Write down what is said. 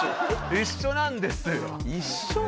一緒なんですよ。